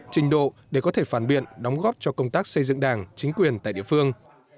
trình độ để có thể phản biện đóng góp cho công tác xây dựng đảng chính quyền tại địa phương